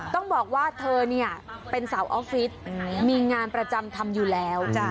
ต้องบอกว่าเธอเนี่ยเป็นสาวออฟฟิศมีงานประจำทำอยู่แล้ว